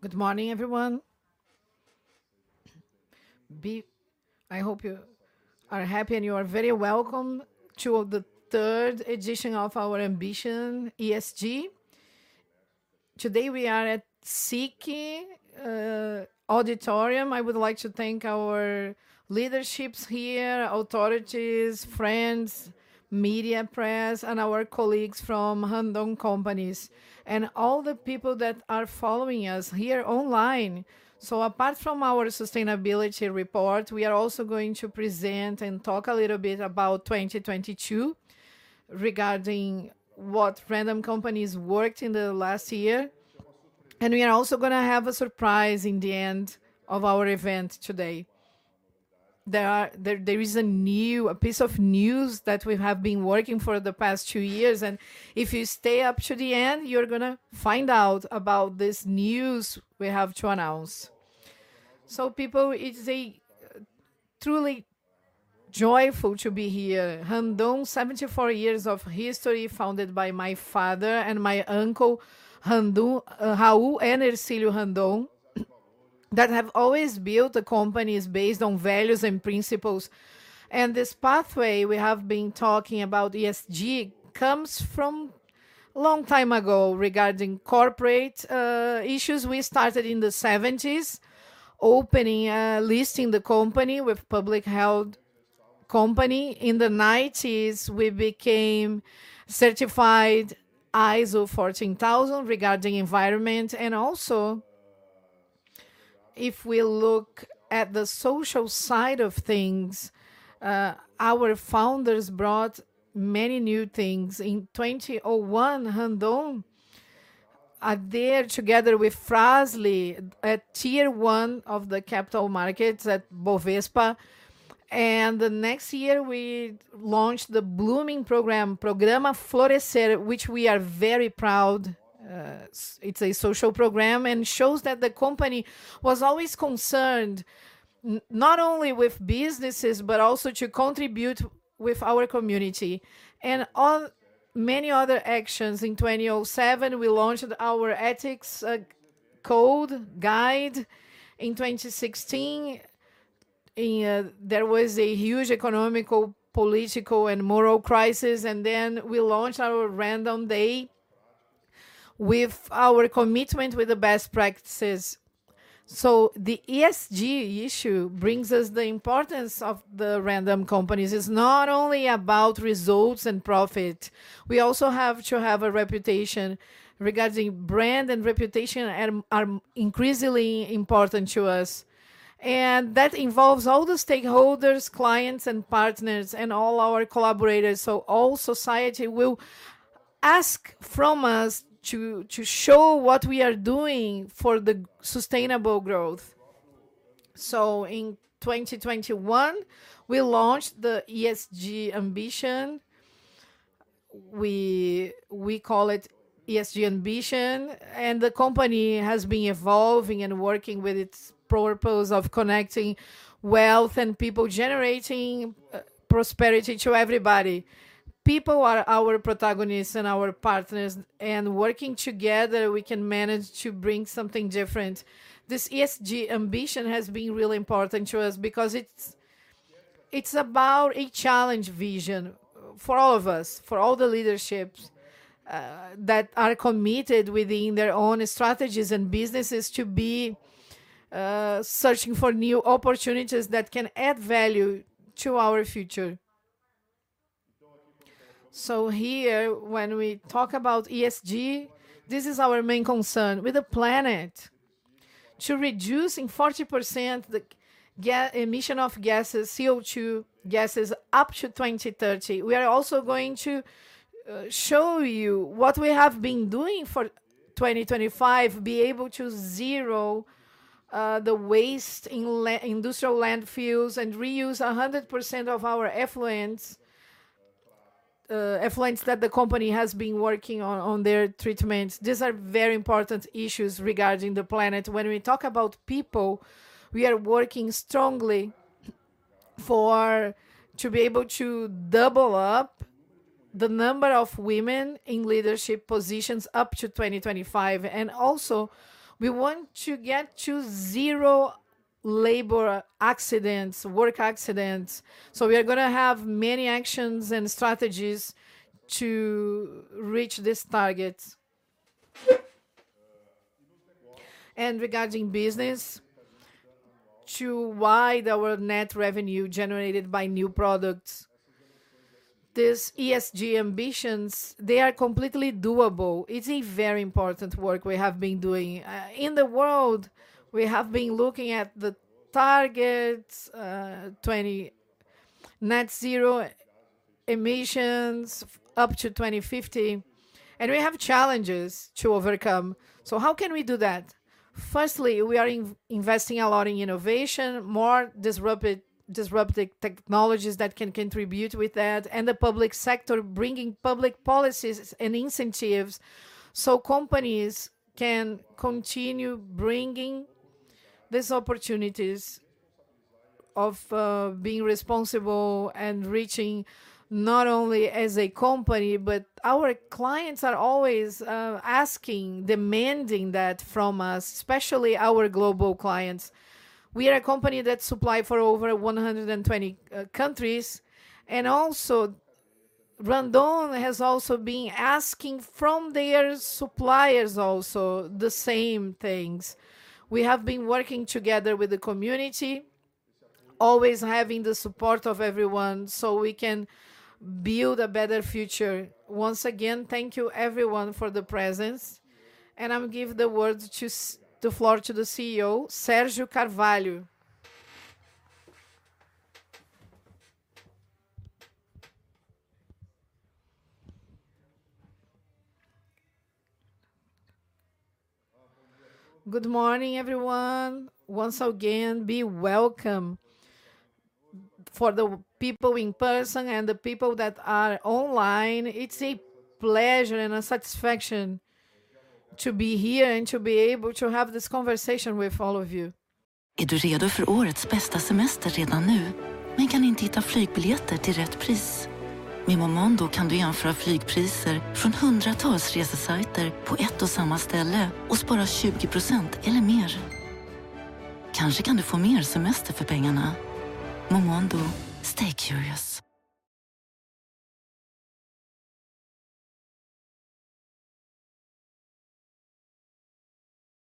Good morning, everyone. I hope you are happy, you are very welcome to the third edition of Our ESG Ambition. Today, we are at CIEE auditorium. I would like to thank our leaderships here, authorities, friends, media, press, and our colleagues from Randon Companies, and all the people that are following us here online. Apart from our sustainability report, we are also going to present and talk a little bit about 2022 regarding what Randon Companies worked in the last year. We are also gonna have a surprise in the end of our event today. There is a piece of news that we have been working for the past two years, and if you stay up to the end, you're gonna find out about this news we have to announce. People, it's a truly joyful to be here. Randoncorp, 74 years of history, founded by my father and my uncle, Raul Randon and Hercílio Randon, that have always built the companies based on values and principles. This pathway we have been talking about, ESG, comes from long time ago regarding corporate issues. We started in the 1970s, opening, listing the company with public-held company. In the 1990s, we became certified ISO 14000 regarding environment. Also, if we look at the social side of things, our founders brought many new things. In 2001, Randoncorp adhered together with Fras-le at tier one of the capital markets at Bovespa. The next year, we launched the Blooming Program, Programa Florescer, which we are very proud. It's a social program and shows that the company was always concerned not only with businesses, but also to contribute with our community and many other actions. In 2007, we launched our ethics code guide. In 2016, there was a huge economic, political, and moral crisis. We launched our Randon Day with our commitment with the best practices. The ESG issue brings us the importance of the Randon Companies. It's not only about results and profit, we also have to have a reputation. Regarding brand and reputation are increasingly important to us. That involves all the stakeholders, clients and partners, and all our collaborators. All society will ask from us to show what we are doing for the sustainable growth. In 2021, we launched the ESG Ambition. We call it ESG Ambition, the company has been evolving and working with its purpose of connecting wealth and people, generating prosperity to everybody. People are our protagonists and our partners, working together, we can manage to bring something different. This ESG Ambition has been really important to us because it's about a challenge vision for all of us, for all the leaderships that are committed within their own strategies and businesses to be searching for new opportunities that can add value to our future. Here, when we talk about ESG, this is our main concern. With the planet, to reducing 40% the emission of gases, CO2 gases, up to 2030. We are also going to show you what we have been doing for 2025, be able to zero the waste in industrial landfills and reuse 100% of our effluents that the company has been working on their treatments. These are very important issues regarding the planet. When we talk about people, we are working strongly to be able to double up the number of women in leadership positions up to 2025. Also, we want to get to zero labor accidents, work accidents. We are gonna have many actions and strategies to reach these targets. Regarding business, to wide our net revenue generated by new products. These ESG ambitions, they are completely doable. It's a very important work we have been doing. In the world, we have been looking at the targets, 20 net zero emissions up to 2050, and we have challenges to overcome. How can we do that? Firstly, we are investing a lot in innovation, more disruptive technologies that can contribute with that, and the public sector bringing public policies and incentives so companies can continue bringing these opportunities of being responsible and reaching not only as a company, but our clients are always asking, demanding that from us, especially our global clients. We are a company that supply for over 120 countries. Randon has also been asking from their suppliers also the same things. We have been working together with the community, always having the support of everyone so we can build a better future. Once again, thank you everyone for the presence. I will give the word to the floor to the CEO, Sérgio Carvalho. Good morning, everyone. Once again, be welcome. For the people in person and the people that are online, it's a pleasure and a satisfaction to be here and to be able to have this conversation with all of you.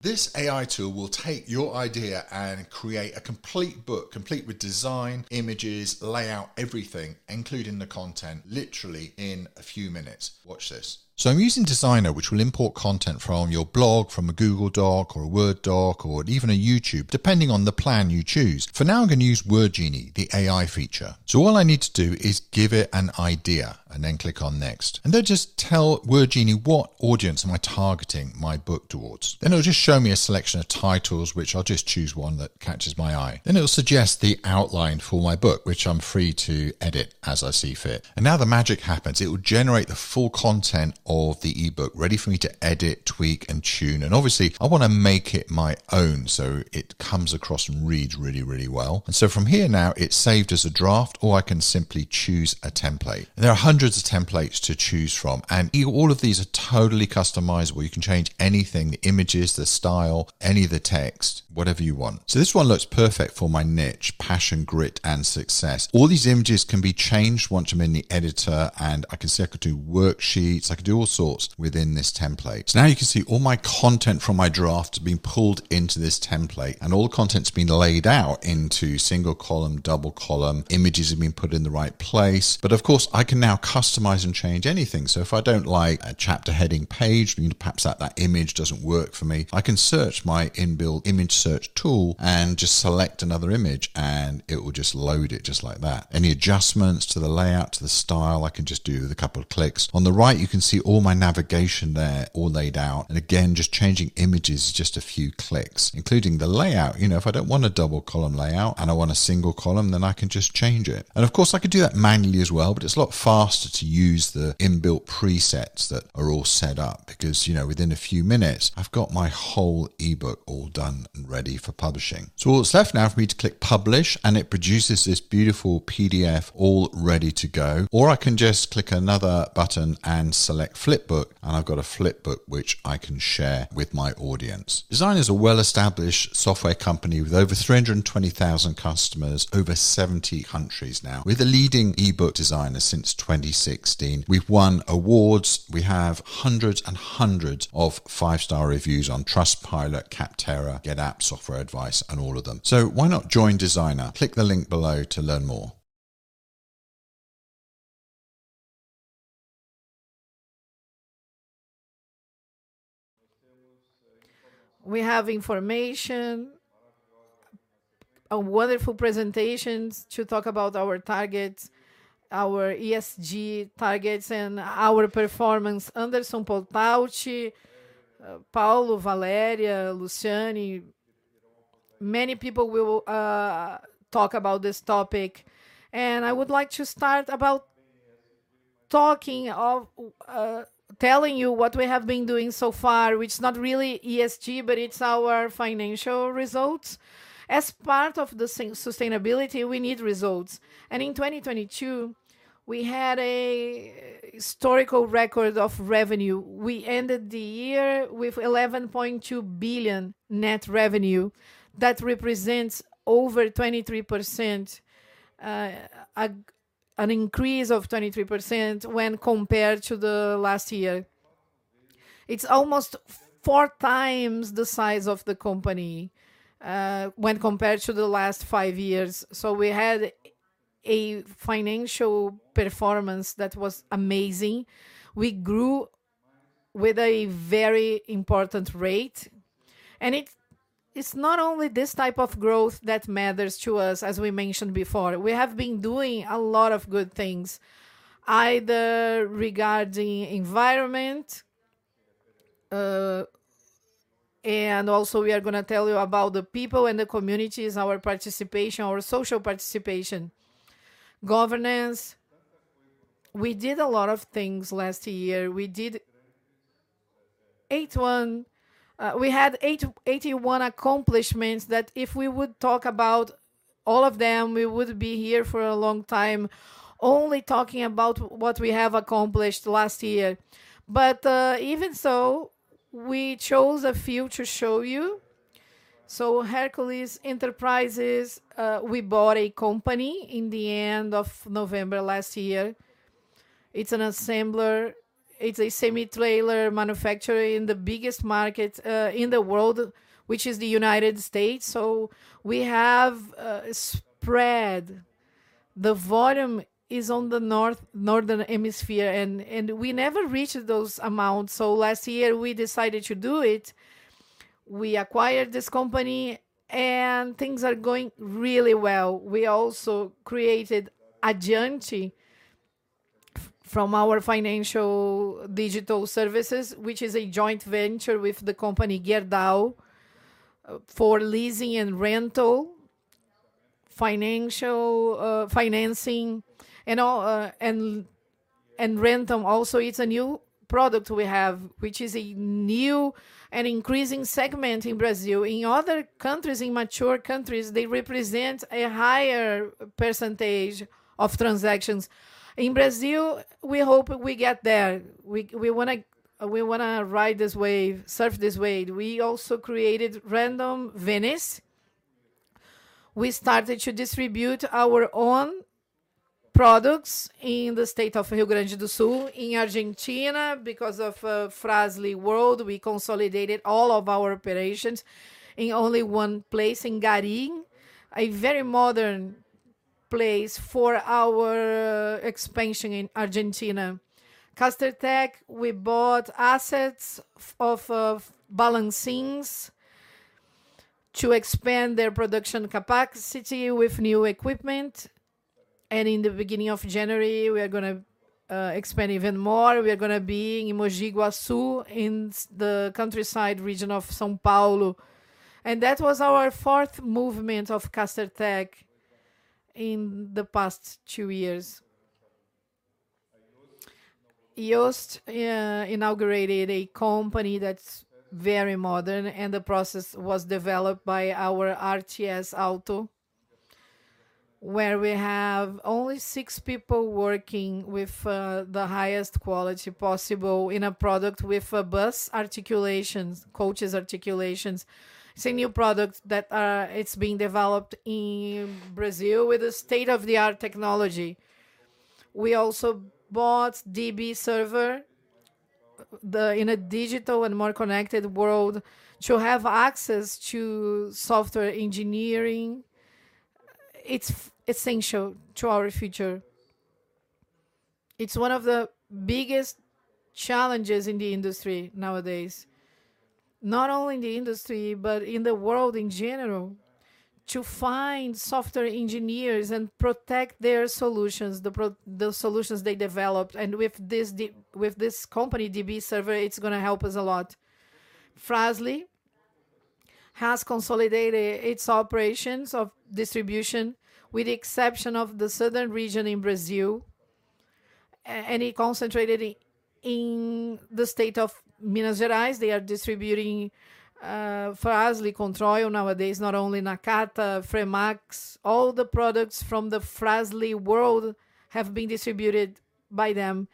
This AI tool will take your idea and create a complete book, complete with design, images, layout, everything, including the content, literally in a few minutes. Watch this. I'm using Designer, which will import content from your blog, from a Google Doc or a Word Doc, or even a YouTube, depending on the plan you choose. For now, I'm gonna WordGenie, the AI feature. All I need to do is give it an idea, click on Next. Just WordGenie what audience am I targeting my book towards. It'll just show me a selection of titles, which I'll just choose one that catches my eye. It'll suggest the outline for my book, which I'm free to edit as I see fit. Now the magic happens. It will generate the full content of the e-book, ready for me to edit, tweak, and tune. Obviously I wanna make it my own, so it comes across and reads really, really well. From here now, it's saved as a draft, or I can simply choose a template. There are hundreds of templates to choose from, and all of these are totally customizable. You can change anything, the images, the style, any of the text, whatever you want. This one looks perfect for my niche, passion, grit, and success. All these images can be changed once I'm in the editor, and I can see I could do worksheets. I could do all sorts within this template. Now you can see all my content from my draft has been pulled into this template, and all the content's been laid out into single column, double column. Images have been put in the right place. Of course, I can now customize and change anything. If I don't like a chapter heading page, perhaps that image doesn't work for me, I can search my in-built image search tool and just select another image, and it will just load it just like that. Any adjustments to the layout, to the style, I can just do with a couple of clicks. On the right, you can see all my navigation there all laid out. Again, just changing images is just a few clicks, including the layout. You know, if I don't want a double column layout and I want a single column, I can just change it. Of course, I could do that manually as well, but it's a lot faster to use the in-built presets that are all set up because, you know, within a few minutes I've got my whole e-book all done and ready for publishing. All that's left now for me to click Publish, and it produces this beautiful PDF all ready to go. I can just click another button and select Flipbook, and I've got a flipbook which I can share with my audience. Designrr is a well-established software company with over 320,000 customers, over 70 countries now. We're the leading e-book designer since 2016. We've won awards. We have hundreds and hundreds of five-star reviews on Trustpilot, Capterra, GetApp, Software Advice, and all of them. Why not join Designrr? Click the link below to learn more. We have information, a wonderful presentations to talk about our targets, our ESG targets, and our performance. Anderson Pontalti, Paulo, Valeria, Luciani. Many people will talk about this topic, and I would like to start telling you what we have been doing so far, which is not really ESG, but it's our financial results. As part of the sustainability, we need results. In 2022, we had a historical record of revenue. We ended the year with 11.2 billion net revenue. That represents over 23%, an increase of 23% when compared to the last year. It's almost 4x the size of the company when compared to the last five years. We had a financial performance that was amazing. We grew with a very important rate. It's, it's not only this type of growth that matters to us, as we mentioned before. We have been doing a lot of good things, either regarding environment, and also we are gonna tell you about the people and the communities, our participation, our social participation. Governance. We did a lot of things last year. We had 81 accomplishments that if we would talk about all of them, we would be here for a long time only talking about what we have accomplished last year. Even so, we chose a few to show you. Hercules Enterprises, we bought a company in the end of November last year. It's an assembler. It's a semi-trailer manufacturer in the biggest market in the world, which is the United States. We have spread. The volume is on the northern hemisphere, we never reached those amounts. Last year we decided to do it. We acquired this company. Things are going really well. We also created Addiante from our financial digital services, which is a joint venture with the company Gerdau, for leasing and rental, financing and rental also. It's a new product we have, which is a new and increasing segment in Brazil. In other countries, in mature countries, they represent a higher percentage of transactions. In Brazil, we hope we get there. We wanna ride this wave, surf this wave. We also created Randon Veículos. We started to distribute our own products in the state of Rio Grande do Sul in Argentina. Because of Fras-le world, we consolidated all of our operations in only one place in Garin, a very modern place for our expansion in Argentina. Castertech, we bought assets of Balancins to expand their production capacity with new equipment. In the beginning of January, we are gonna expand even more. We are gonna be in Mogi Guaçu in the countryside region of São Paulo. That was our fourth movement of Castertech in the past two years. Jost inaugurated a company that's very modern. The process was developed by our RTS Automotiva, where we have only six people working with the highest quality possible in a product with bus articulations, coaches articulations. It's a new product that it's being developed in Brazil with a state-of-the-art technology. We also bought DBServer. In a digital and more connected world to have access to software engineering, it's essential to our future. It's one of the biggest challenges in the industry nowadays. Not only in the industry, but in the world in general, to find software engineers and protect their solutions, the solutions they developed and with this company, DBServer, it's gonna help us a lot. Fras-le has consolidated its operations of distribution with the exception of the southern region in Brazil, and it concentrated in the state of Minas Gerais. They are distributing Fras-le Controil nowadays, not only Nakata, FREMAX. All the products from the Fras-le world have been distributed by them.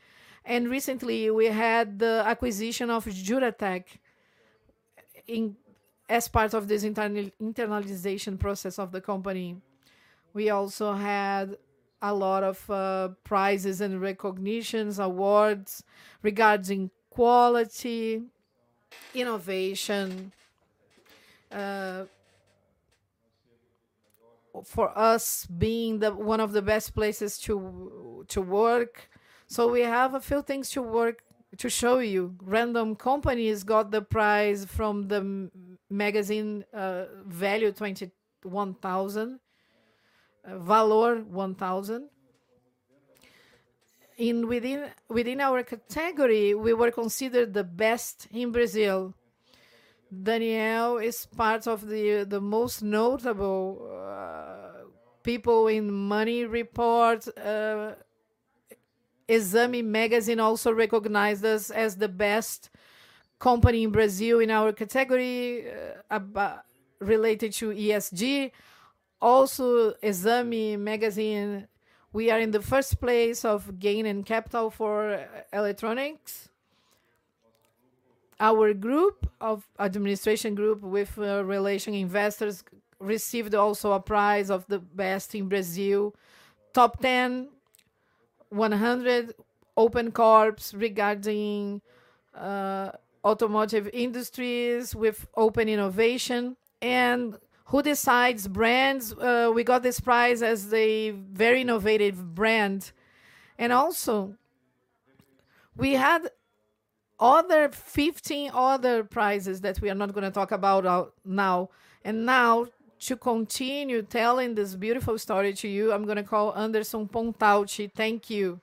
Recently we had the acquisition of Juratek as part of this internationalization process of the company. We also had a lot of prizes and recognitions, awards regarding quality, innovation, for us being one of the best places to work. We have a few things to show you. Randon Companies' got the prize from the magazine, Valor 1000. Within our category, we were considered the best in Brazil. Daniel is part of the most notable people in Money Times. Exame magazine also recognized us as the best company in Brazil in our category related to ESG. Exame magazine, we are in the first place of gain and capital for electronics. Our administration group with relation investors received also a prize of the best in Brazil. Top 10, 100 open corps regarding automotive industries with open innovation. Who Decides Brands, we got this prize as a very innovative brand. Also we have 15 other prizes that we are not gonna talk about, now. Now to continue telling this beautiful story to you, I'm gonna call Anderson Pontalti. Thank you.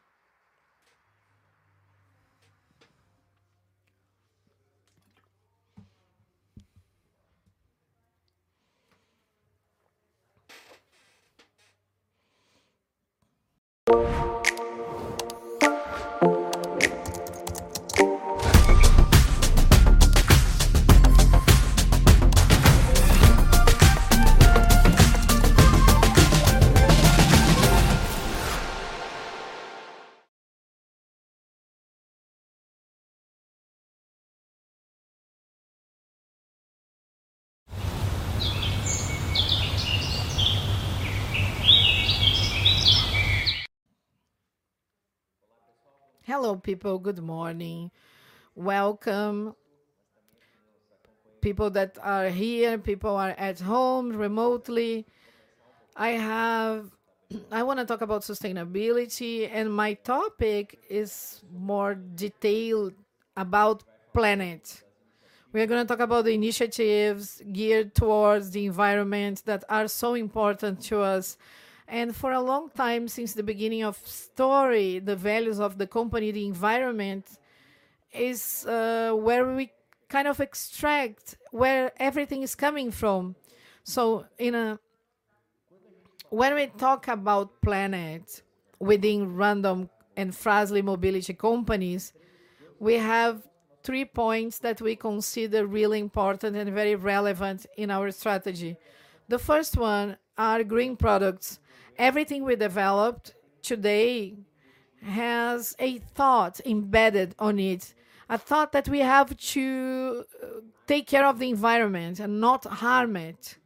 Hello, people. Good morning. Welcome, people that are here, people are at home remotely. I wanna talk about sustainability, and my topic is more detailed about planet. We're gonna talk about the initiatives geared towards the environment that are so important to us. For a long time, since the beginning of story, the values of the company, the environment is where we kind of extract where everything is coming from. When we talk about planet within Randon and Frasle Mobility companies, we have three points that we consider really important and very relevant in our strategy. The first one are green products. Everything we developed today has a thought embedded on it, a thought that we have to take care of the environment and not harm it.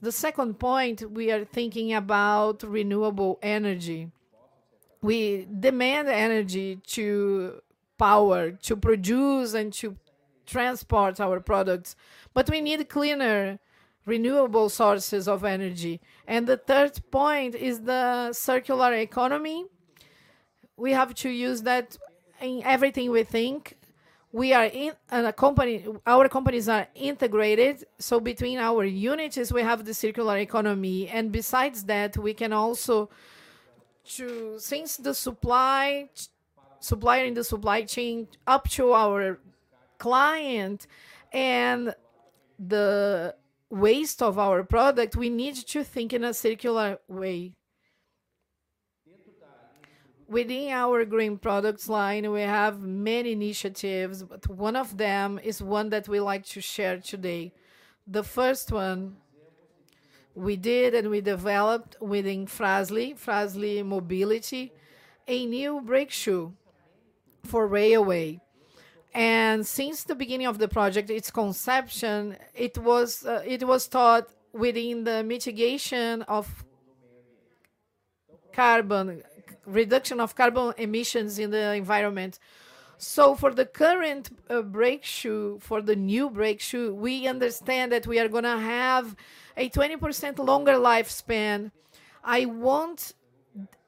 The second point, we are thinking about renewable energy. We demand energy to power, to produce, and to transport our products, but we need cleaner, renewable sources of energy. The third point is the circular economy. We have to use that in everything we think. Our companies are integrated. Between our units, we have the circular economy. Besides that, we can also choose, since the supplier in the supply chain up to our client and the waste of our product, we need to think in a circular way. Within our green products line, we have many initiatives, but one of them is one that we like to share today. The first one we did and we developed within Fras-le, Frasle Mobility, a new brake shoe for railway. Since the beginning of the project, its conception, it was thought within the reduction of carbon emissions in the environment. For the current brake shoe, for the new brake shoe, we understand that we are gonna have a 20% longer lifespan.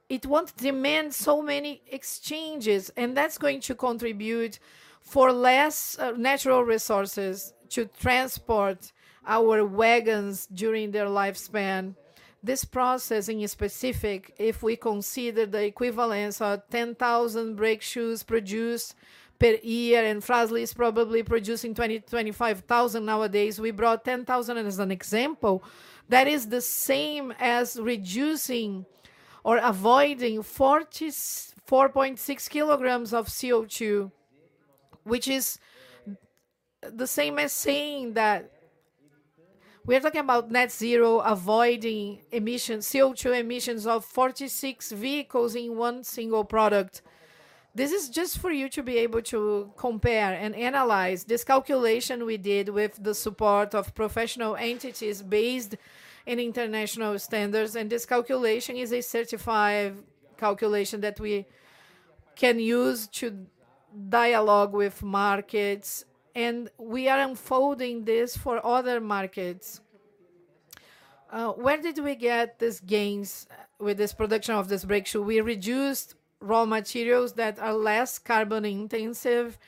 It won't demand so many exchanges, and that's going to contribute for less natural resources to transport our wagons during their lifespan. This processing is specific if we consider the equivalence of 10,000 brake shoes produced per year, and Fras-le is probably producing 20,000-25,000 nowadays. We brought 10,000 as an example. That is the same as reducing or avoiding 4.6 kilograms of CO2, which is the same as saying that we're talking about net zero, avoiding emissions, CO2 emissions of 46 vehicles in one single product. This is just for you to be able to compare and analyze this calculation we did with the support of professional entities based in international standards, and this calculation is a certified calculation that we can use to dialogue with markets, and we are unfolding this for other markets. Where did we get these gains with this production of this brake shoe? We reduced raw materials that are less carbon-intensive,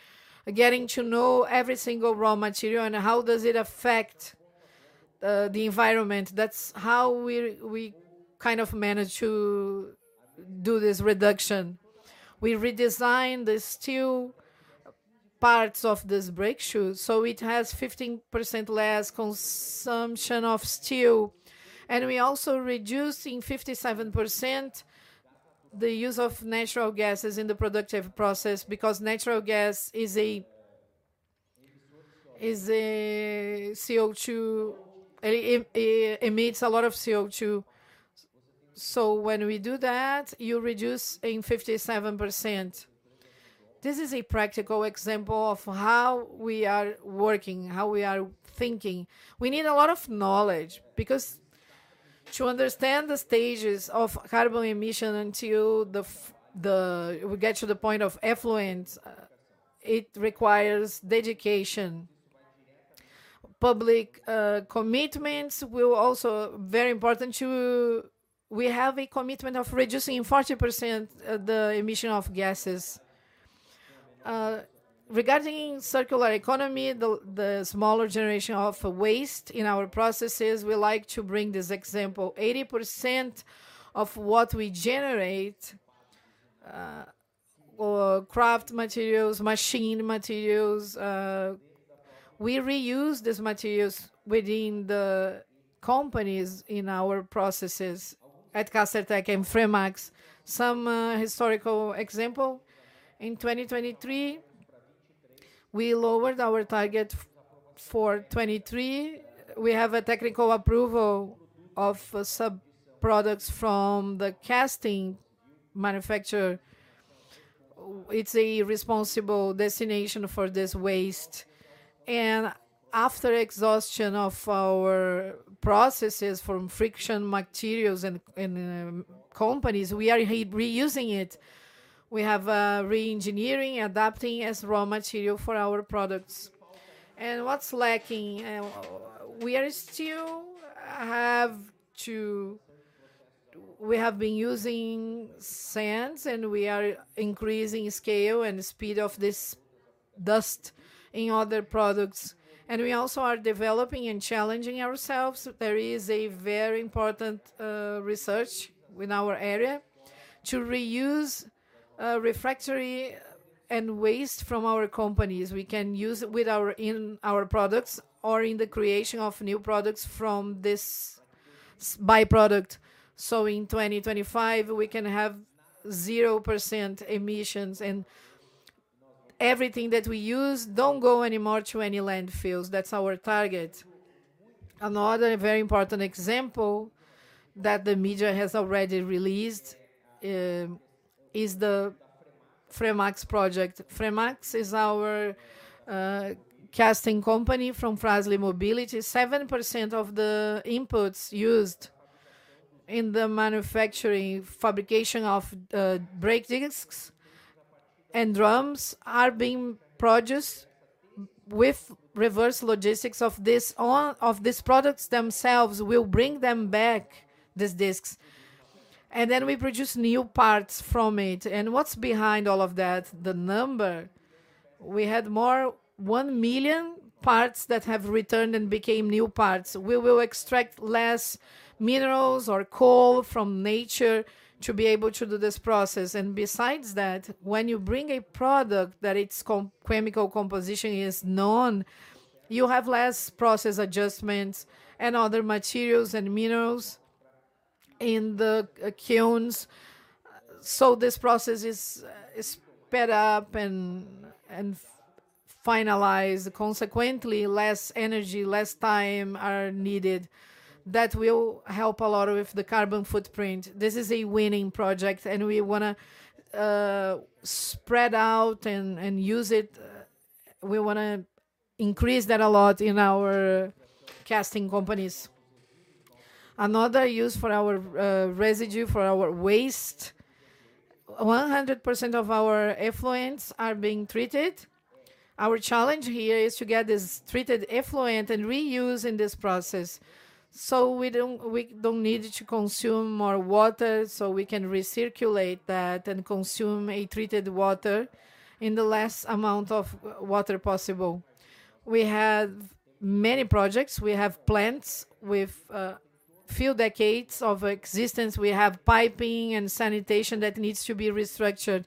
getting to know every single raw material and how does it affect the environment. That's how we kind of managed to do this reduction. We redesigned the steel parts of this brake shoe, so it has 15% less consumption of steel. We're also reducing 57% the use of natural gases in the productive process because natural gas is a CO2... It emits a lot of CO2. When we do that, you reduce in 57%. This is a practical example of how we are working, how we are thinking. We need a lot of knowledge because to understand the stages of carbon emission until we get to the point of effluence, it requires dedication. Public commitments were also very important, too. We have a commitment of reducing 40% the emission of gases. Regarding circular economy, the smaller generation of waste in our processes, we like to bring this example. 80% of what we generate, Or craft materials, machine materials, we reuse these materials within the companies in our processes at Castertech and FREMAX. Some historical example, in 2023, we lowered our target for 23. We have a technical approval of sub-products from the casting manufacturer. It's a responsible destination for this waste. After exhaustion of our processes from friction materials in companies, we are reusing it. We have re-engineering, adapting as raw material for our products. What's lacking, we are still have to... We have been using sands, and we are increasing scale and speed of this dust in other products, and we also are developing and challenging ourselves. There is a very important research in our area to reuse refractory and waste from our companies. We can use with in our products or in the creation of new products from this by-product. In 2025, we can have 0% emissions, and everything that we use don't go any more to any landfills. That's our target. Another very important example that the media has already released is the FREMAX project. FREMAX is our casting company from Frasle Mobility. 7% of the inputs used in the manufacturing, fabrication of the brake discs and drums are being produced with reverse logistics of this of these products themselves. We'll bring them back, these discs, then we produce new parts from it. What's behind all of that? The number. We had more 1 million parts that have returned and became new parts. We will extract less minerals or coal from nature to be able to do this process. Besides that, when you bring a product that its chemical composition is known, you have less process adjustments and other materials and minerals in the kilns. This process is sped up and finalized. Consequently, less energy, less time are needed. That will help a lot with the carbon footprint. This is a winning project, and we wanna spread out and use it. We wanna increase that a lot in our casting companies. Another use for our residue, for our waste, 100% of our effluents are being treated. Our challenge here is to get this treated effluent and reuse in this process. We don't need to consume more water, we can recirculate that and consume a treated water in the least amount of water possible. We have many projects. We have plants with few decades of existence. We have piping and sanitation that needs to be restructured.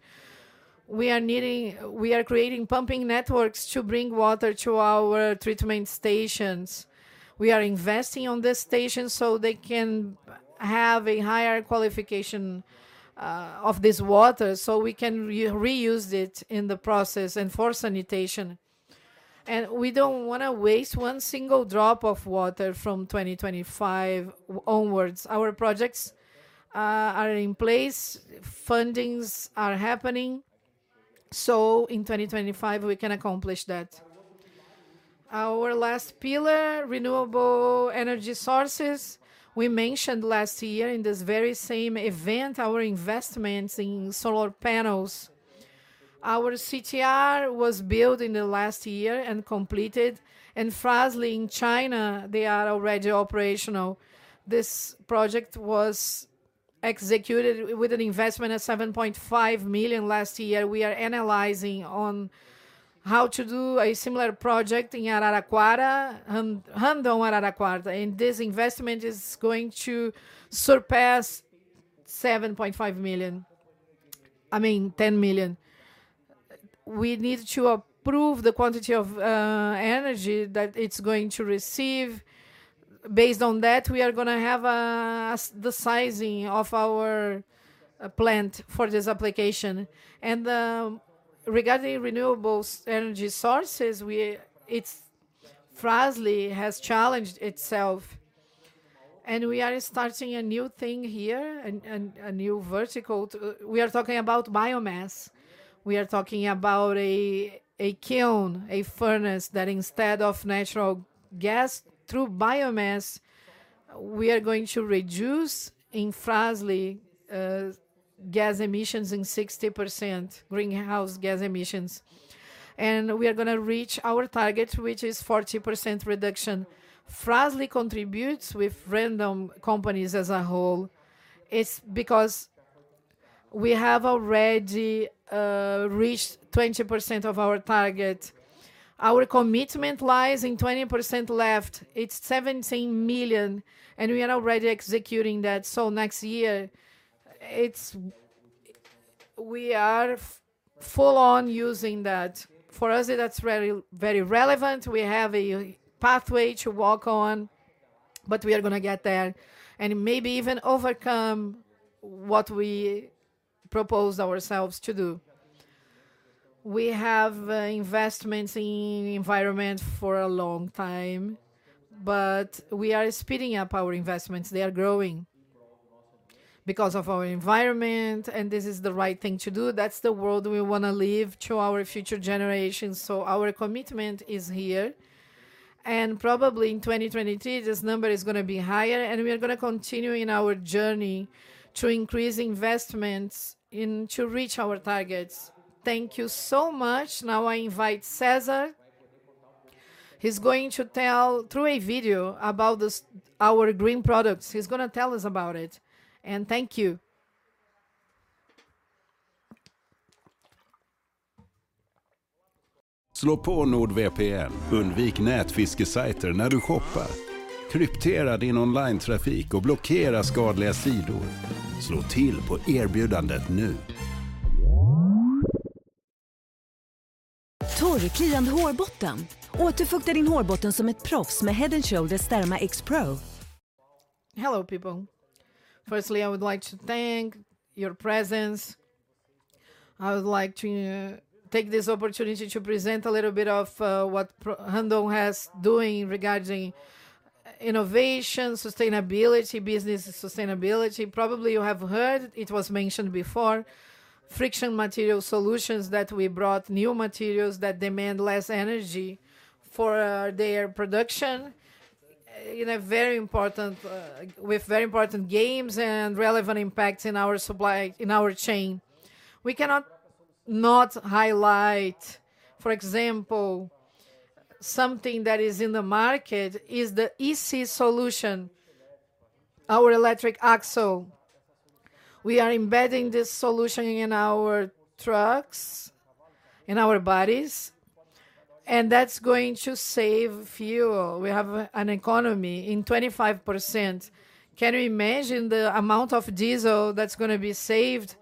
We are creating pumping networks to bring water to our treatment stations. We are investing on these stations so they can have a higher qualification of this water, so we can reuse it in the process and for sanitation. We don't wanna waste one single drop of water from 2025 onwards. Our projects are in place. Fundings are happening, in 2025 we can accomplish that. Our last pillar, renewable energy sources. We mentioned last year in this very same event our investments in solar panels. Our CTR was built in the last year and completed. In Fras-le in China, they are already operational. This project was executed with an investment of 7.5 million last year. We are analyzing on how to do a similar project in Araraquara, Rondon Araraquara, and this investment is going to surpass 7.5 million, I mean, 10 million. We need to approve the quantity of energy that it's going to receive. Based on that, we are gonna have the sizing of our plant for this application. Regarding renewables energy sources, Fras-le has challenged itself, and we are starting a new thing here and a new vertical. We are talking about biomass. We are talking about a kiln, a furnace that instead of natural gas, through biomass, we are going to reduce in Fras-le gas emissions in 60% greenhouse gas emissions. We are gonna reach our target, which is 40% reduction. Fras-le contributes with Randon Companies as a whole. It's because we have already reached 20% of our target. Our commitment lies in 20% left. It's 17 million. We are already executing that. Next year, it's We are full on using that. For us, that's very, very relevant. We have a pathway to walk on. We are gonna get there, maybe even overcome what we propose ourselves to do. We have investments in environment for a long time. We are speeding up our investments. They are growing because of our environment. This is the right thing to do. That's the world we wanna leave to our future generations. Our commitment is here, and probably in 2023, this number is gonna be higher, and we are gonna continue in our journey to increase investments and to reach our targets. Thank you so much. I invite Cesar. He's going to tell through a video about our green products. He's gonna tell us about it. Thank you. Hello, people. Firstly, I would like to thank your presence. I would like to take this opportunity to present a little bit of what Randon has doing regarding innovation, sustainability, business sustainability. Probably you have heard, it was mentioned before, friction material solutions that we brought new materials that demand less energy for their production in a very important, with very important gains and relevant impacts in our supply, in our chain. We cannot not highlight, for example, something that is in the market is the EC solution, our electric axle. We are embedding this solution in our trucks, in our bodies, and that's going to save fuel. We have an economy in 25%. Can you imagine the amount of diesel that's gonna be saved?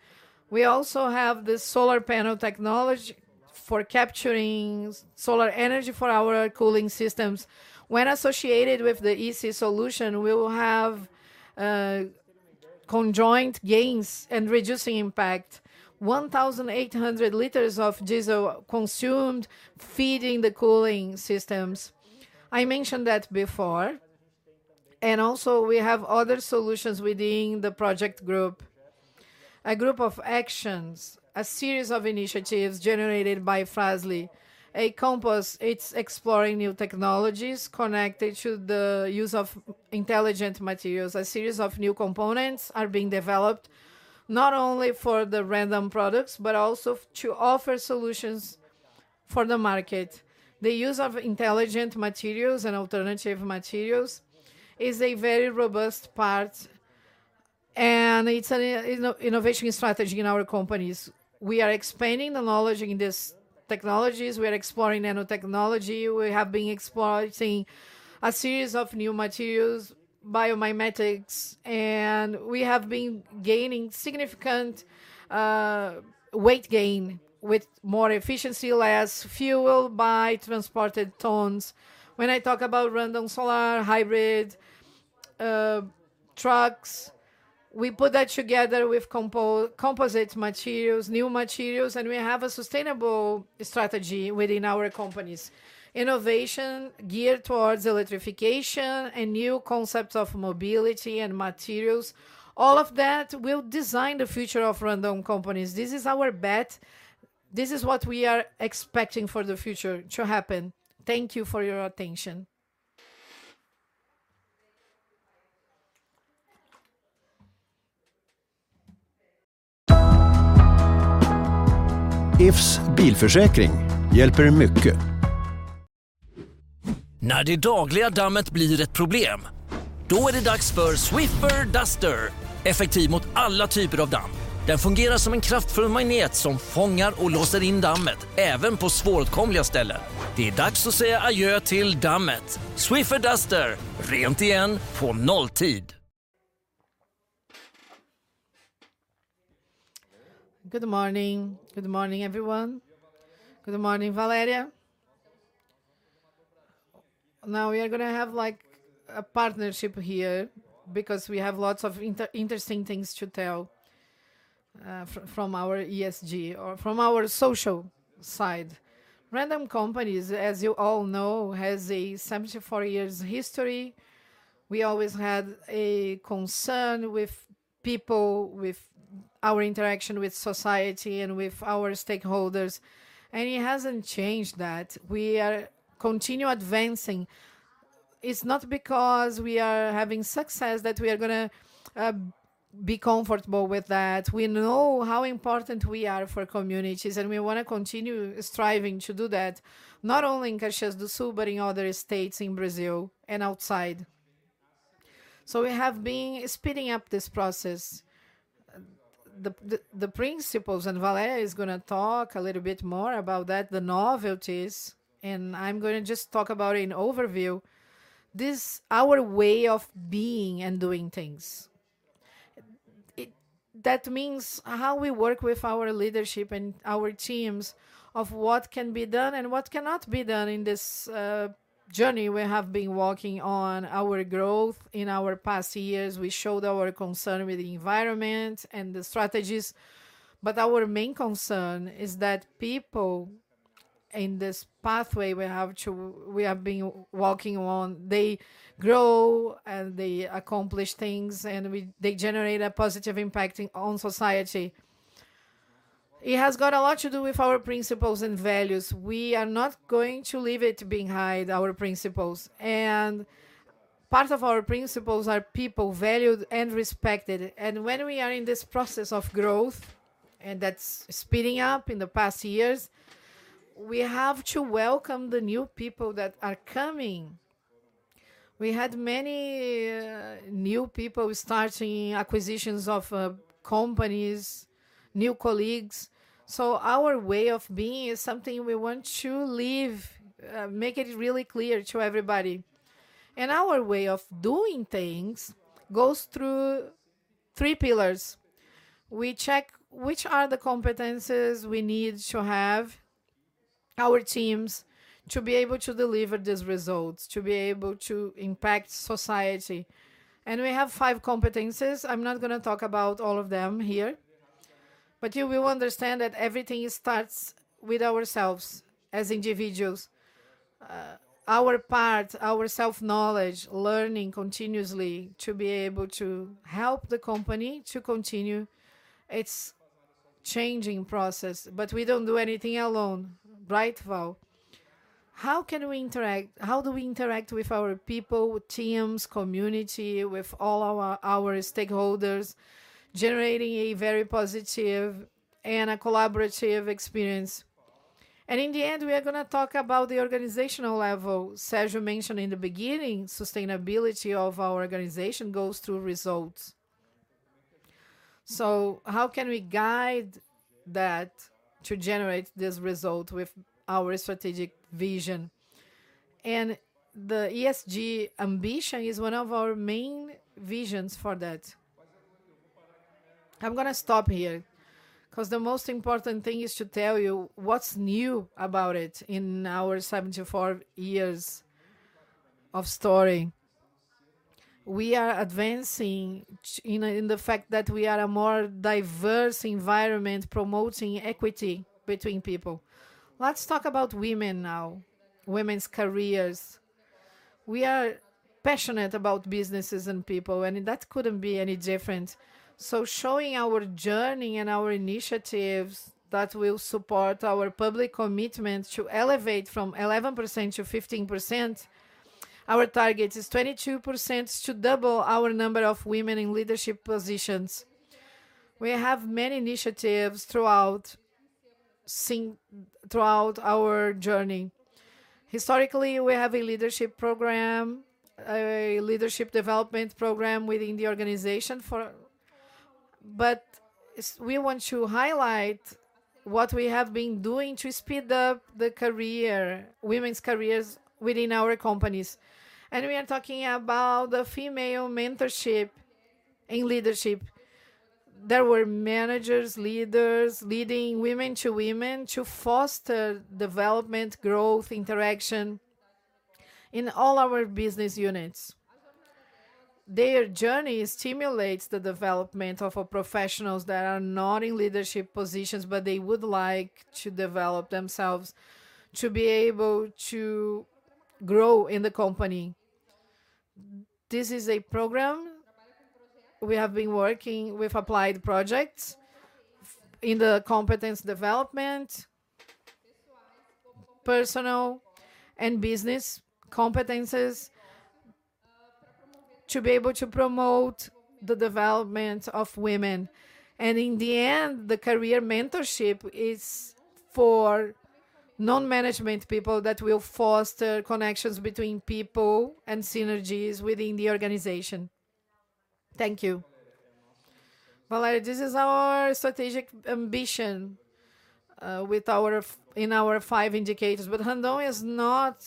We also have the solar panel technology for capturing solar energy for our cooling systems. When associated with the EC solution, we will have conjoint gains and reducing impact 1,800 liters of diesel consumed feeding the cooling systems. I mentioned that before. Also, we have other solutions within the project group. A group of actions, a series of initiatives generated by Fras-le. A compass, it's exploring new technologies connected to the use of intelligent materials. A series of new components are being developed, not only for the Randon products, but also to offer solutions for the market. The use of intelligent materials and alternative materials is a very robust part, and it's an innovation strategy in our companies. We are expanding the knowledge in these technologies. We are exploring nanotechnology. We have been exploring a series of new materials, biomimetics, and we have been gaining significant weight gain with more efficiency, less fuel by transported tons. When I talk about Randon Solar, hybrid trucks, we put that together with composite materials, new materials, and we have a sustainable strategy within our companies. Innovation geared towards electrification and new concepts of mobility and materials, all of that will design the future of Randon Companies. This is our bet. This is what we are expecting for the future to happen. Thank you for your attention. Good morning. Good morning, everyone. Good morning, Valeria. We are gonna have, like, a partnership here because we have lots of interesting things to tell from our ESG or from our social side. Randon Companies, as you all know, has a 74 years history. We always had a concern with people, with our interaction with society, and with our stakeholders, and it hasn't changed that. We are continue advancing. It's not because we are having success that we are gonna be comfortable with that. We know how important we are for communities, and we wanna continue striving to do that, not only in Caxias do Sul, but in other states in Brazil and outside. We have been speeding up this process. The principles, and Valeria is gonna talk a little bit more about that, the novelties, and I'm gonna just talk about an overview. This our way of being and doing things. That means how we work with our leadership and our teams of what can be done and what cannot be done in this journey we have been working on our growth in our past years. We showed our concern with the environment and the strategies. Our main concern is that people in this pathway we have been working on, they grow and they accomplish things, and they generate a positive impact on society. It has got a lot to do with our principles and values. We are not going to leave it behind our principles. Part of our principles are people valued and respected. When we are in this process of growth, and that's speeding up in the past years, we have to welcome the new people that are coming. We had many new people starting acquisitions of companies, new colleagues, our way of being is something we want to leave, make it really clear to everybody. Our way of doing things goes through three pillars. We check which are the competencies we need to have our teams to be able to deliver these results, to be able to impact society, we have five competencies. I'm not gonna talk about all of them here, you will understand that everything starts with ourselves as individuals. Our part, our self-knowledge, learning continuously to be able to help the company to continue its changing process. We don't do anything alone, right, Val? How do we interact with our people, teams, community, with all our stakeholders, generating a very positive and a collaborative experience? In the end, we are gonna talk about the organizational level. Sergio mentioned in the beginning, sustainability of our organization goes through results. How can we guide that to generate this result with our strategic vision? The ESG ambition is one of our main visions for that. I'm gonna stop here 'cause the most important thing is to tell you what's new about it in our 74 years of story. We are advancing in the fact that we are a more diverse environment promoting equity between people. Let's talk about women now, women's careers. We are passionate about businesses and people, and that couldn't be any different. Showing our journey and our initiatives that will support our public commitment to elevate from 11% to 15%, our target is 22% to double our number of women in leadership positions. We have many initiatives throughout our journey. Historically, we have a leadership program, a leadership development program within the organization. We want to highlight what we have been doing to speed up the career, women's careers within our companies. We are talking about the female mentorship in leadership. There were managers, leaders, leading women to women to foster development, growth, interaction in all our business units. Their journey stimulates the development of professionals that are not in leadership positions, but they would like to develop themselves to be able to grow in the company. This is a program we have been working with applied projects in the competence development, personal and business competencies, to be able to promote the development of women. In the end, the career mentorship is for non-management people that will foster connections between people and synergies within the organization. Thank you. Well, this is our strategic ambition, with our in our five indicators, Hando is not...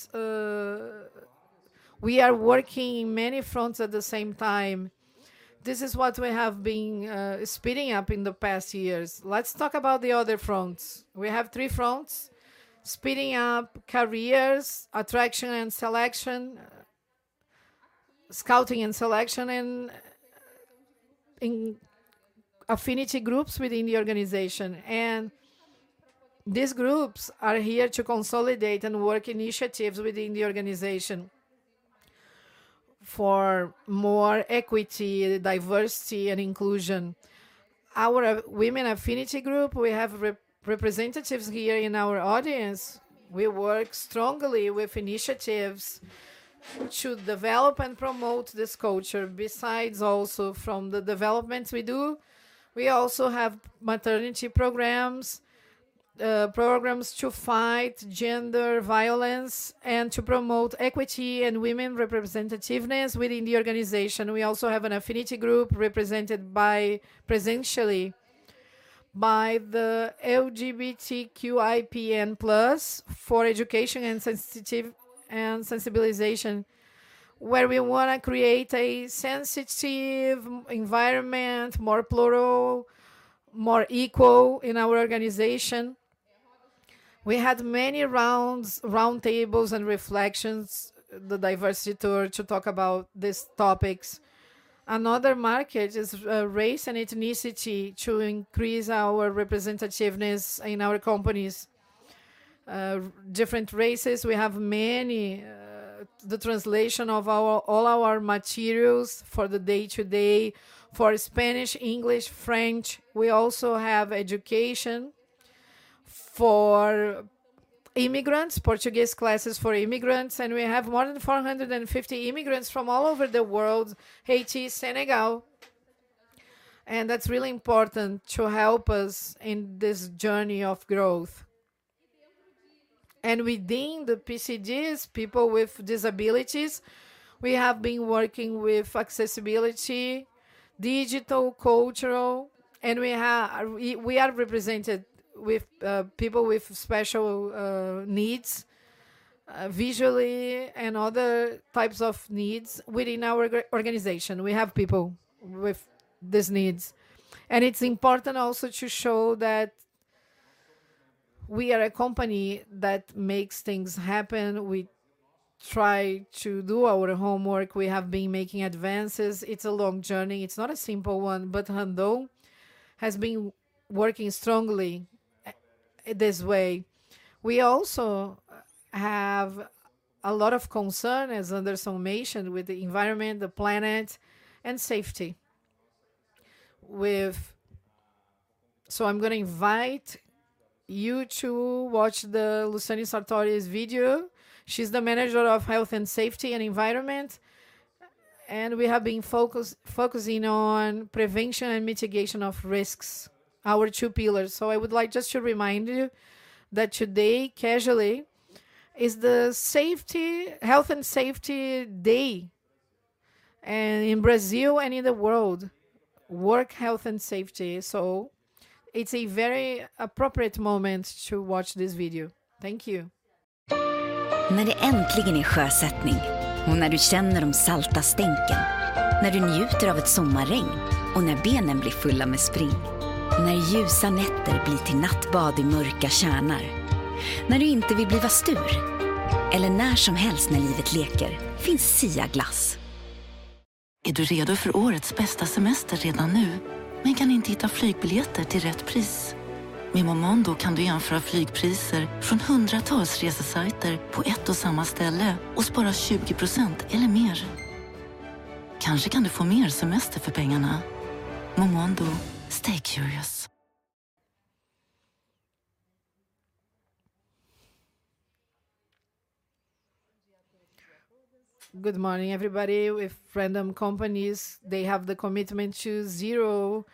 We are working in many fronts at the same time. This is what we have been speeding up in the past years. Let's talk about the other fronts. We have three fronts: speeding up careers, attraction and selection, scouting and selection, and affinity groups within the organization. These groups are here to consolidate and work initiatives within the organization for more equity, diversity, and inclusion. Our women affinity group, we have representatives here in our audience. We work strongly with initiatives to develop and promote this culture. Besides also from the developments we do, we also have maternity programs to fight gender violence and to promote equity and women representativeness within the organization. We also have an affinity group represented by presentially by the LGBTQIAPN+ for education and sensitive and sensitization, where we wanna create a sensitive environment, more plural, more equal in our organization. We had many rounds, roundtables, and reflections, the diversity tour, to talk about these topics. Another market is race and ethnicity to increase our representativeness in our companies. Different races, we have many, the translation of our, all our materials for the day-to-day for Spanish, English, French. We also have education for immigrants, Portuguese classes for immigrants. We have more than 450 immigrants from all over the world, Haiti, Senegal, and that's really important to help us in this journey of growth. Within the PCDs, people with disabilities, we have been working with accessibility, digital, cultural, and we are represented with people with special needs, visually and other types of needs within our organization. We have people with these needs. It's important also to show that we are a company that makes things happen. We try to do our homework. We have been making advances. It's a long journey. It's not a simple one. Randon has been working strongly this way. We also have a lot of concern, as Anderson mentioned, with the environment, the planet, and safety. With... I'm going to invite you to watch the Luciane Sartori's video. She's the manager of health and safety and environment. We have been focusing on prevention and mitigation of risks, our two pillars. I would like just to remind you that today, casually, is the Safety, Health and Safety Day in Brazil and in the world, Work Health and Safety. It's a very appropriate moment to watch this video. Thank you. Good morning, everybody. With Randon Companies, they have the commitment to zero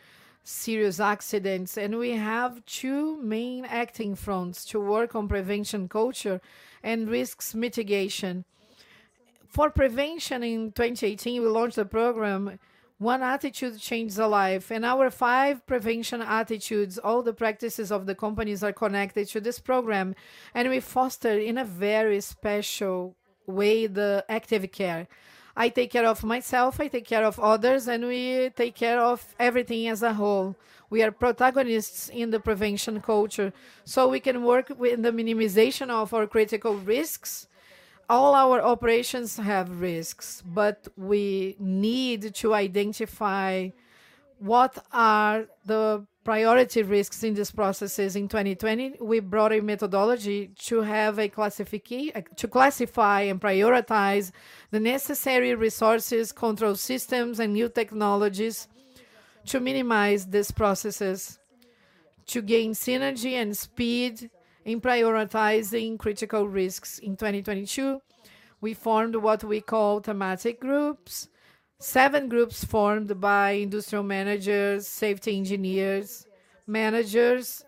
serious accidents. We have two main acting fronts to work on prevention culture and risks mitigation. For prevention in 2018, we launched a program, One Attitude Changes a Life. Our five prevention attitudes, all the practices of the companies are connected to this program. We foster in a very special way the active care. I take care of myself, I take care of others, and we take care of everything as a whole. We are protagonists in the prevention culture, so we can work with the minimization of our critical risks. All our operations have risks, but we need to identify what are the priority risks in these processes. In 2020, we brought a methodology to have to classify and prioritize the necessary resources, control systems, and new technologies to minimize these processes to gain synergy and speed in prioritizing critical risks. In 2022, we formed what we call thematic groups. seven groups formed by industrial managers, safety engineers, managers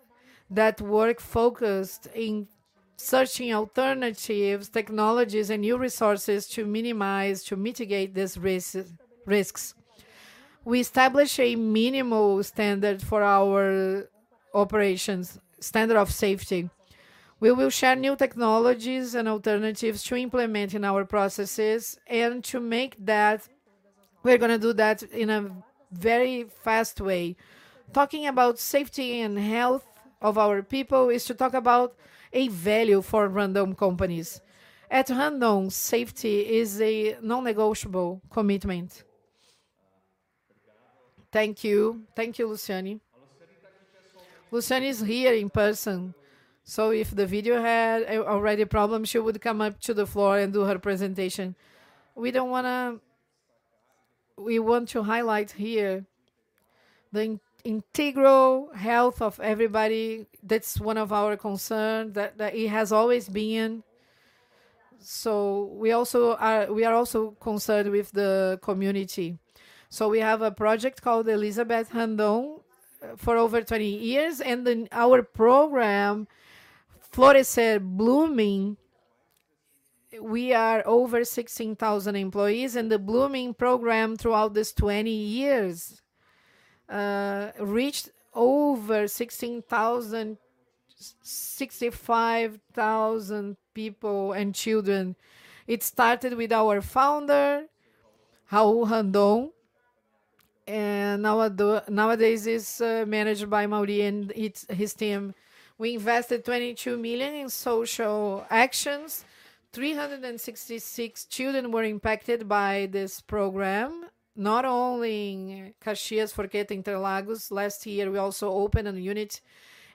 that work focused in searching alternatives, technologies, and new resources to minimize, to mitigate these risks. We establish a minimal standard for our operations, standard of safety. We will share new technologies and alternatives to implement in our processes. To make that, we're gonna do that in a very fast way. Talking about safety and health of our people is to talk about a value for Randon Companies. At Randon, safety is a non-negotiable commitment. Thank you. Thank you, Luciane. Luciane is here in person, so if the video had a, already a problem, she would come up to the floor and do her presentation. We want to highlight here the integral health of everybody. That's one of our concern, that it has always been. We are also concerned with the community. We have a project called Elisabetha Randon for over 30 years. Our program, Florescer Blooming. We are over 16,000 employees, and the Blooming Program throughout this 20 years reached over 65,000 people and children. It started with our founder, Raul Randon, and nowadays is managed by Maurien and his team. We invested 22 million in social actions. 366 children were impacted by this program, not only in Caxias do Sul, Interlagos. Last year, we also opened a unit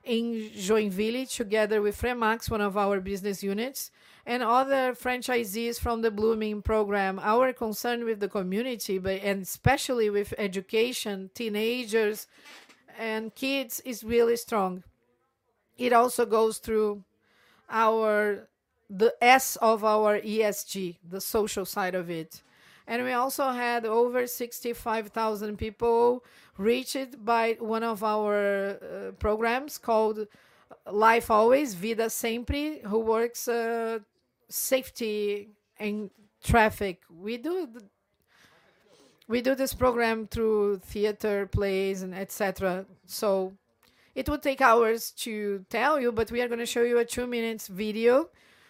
in Joinville together with FREMAX, one of our business units, and other franchisees from the Blooming Program. Our concern with the community, and especially with education, teenagers and kids, is really strong. It also goes through the S of our ESG, the social side of it. We also had over 65,000 people reached by one of our programs called Life Always, Vida Sempre, who works safety in traffic. We do this program through theater plays and et cetera. It would take hours to tell you, but we are gonna show you a 2 minutes video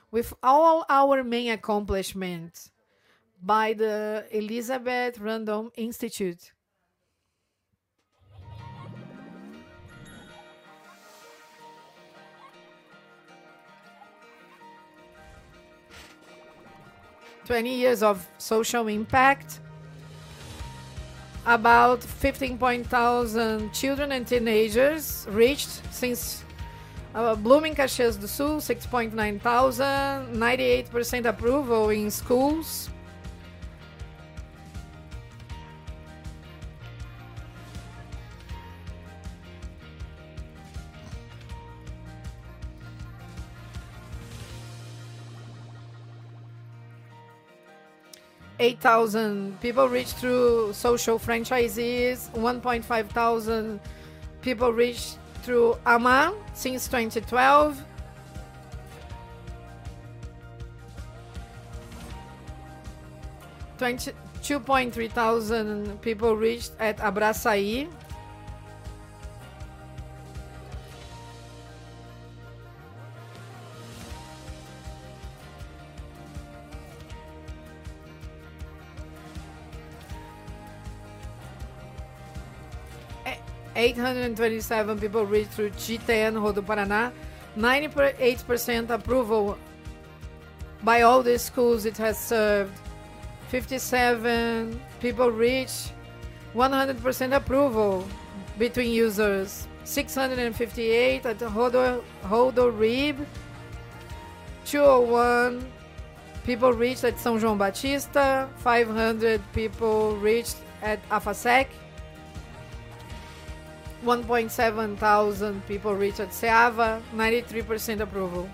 with all our main accomplishments by the Instituto Elisabetha Randon. 20 years of social impact. About 15,000 children and teenagers reached since Blooming Caxias do Sul, 6,900. 98% approval in schools. 8,000 people reached through social franchisees. 1,500 people reached through AMAR since 2012. 22,300 people reached at Abraçaê. 827 people reached through GTN RodoParaná. 98% approval by all the schools it has served. 57 people reached. 100% approval between users. 658 at Rodorib. 201 people reached at São João Batista. 500 people reached at Afasec. 1,700 people reached at Ceava. 93% approval.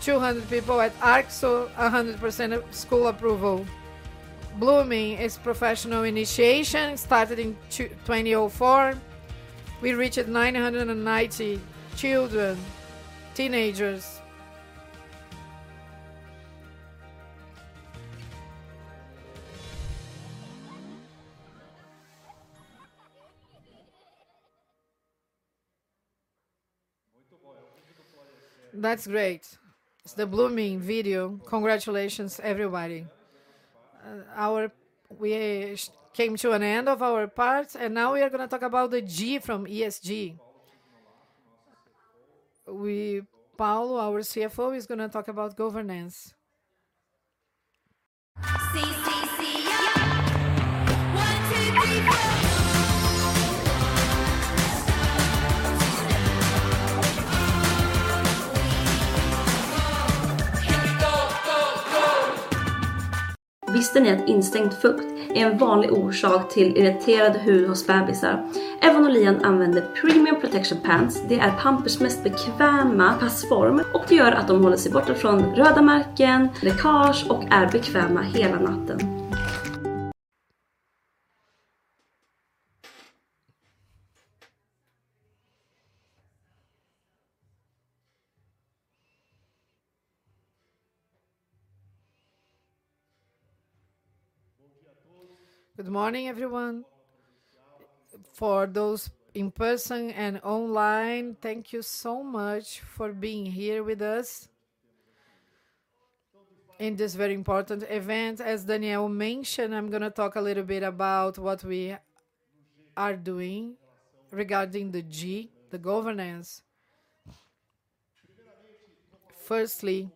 200 people at Arcso. 100% school approval. Blooming is professional initiation. It started in 2004. We reached 990 children, teenagers. That's great. It's the Blooming video. Congratulations, everybody. We came to an end of our part, now we are gonna talk about the G from ESG. Paulo, our CFO, is gonna talk about governance. 1, 2, 3, 4. Here we go. Good morning, everyone. For those in person and online, thank you so much for being here with us in this very important event. As Daniel mentioned, I'm gonna talk a little bit about what we are doing regarding the G, the governance. Firstly,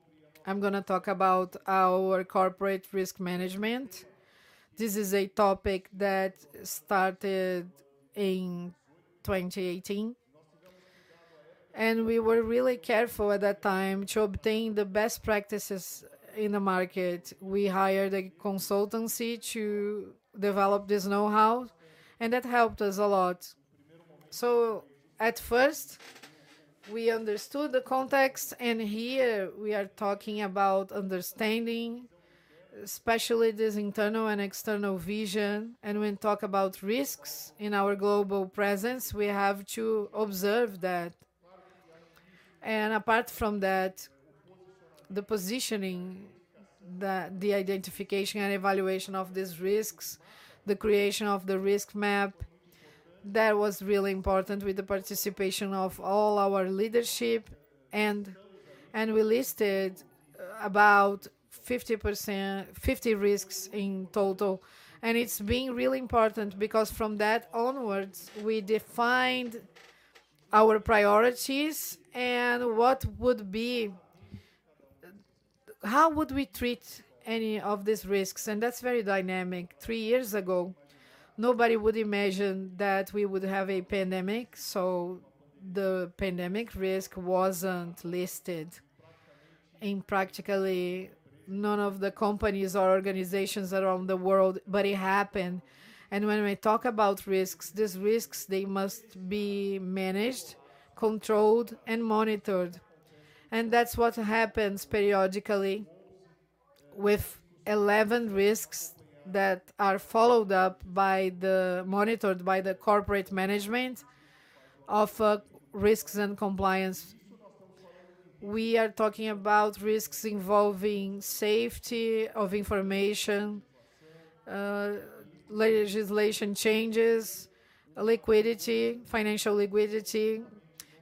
I'm gonna talk about our corporate risk management. This is a topic that started in 2018, and we were really careful at that time to obtain the best practices in the market. We hired a consultancy to develop this know-how, and that helped us a lot. At first, we understood the context, and here we are talking about understanding, especially this internal and external vision. When talk about risks in our global presence, we have to observe that. Apart from that, the positioning, the identification and evaluation of these risks, the creation of the risk map, that was really important with the participation of all our leadership, and we listed about 50 risks in total. It's been really important because from that onwards, we defined our priorities and how would we treat any of these risks. That's very dynamic. Three years ago, nobody would imagine that we would have a pandemic, so the pandemic risk wasn't listed in practically none of the companies or organizations around the world, but it happened. When we talk about risks, these risks, they must be managed, controlled, and monitored. That's what happens periodically with 11 risks that are monitored by the corporate management of risks and compliance. We are talking about risks involving safety of information, legislation changes, liquidity, financial liquidity,